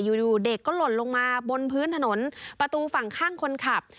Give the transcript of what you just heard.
อยู่เด็กก็หล่นลงมาบนพื้นถนนประตูฝั่งข้างคนขับ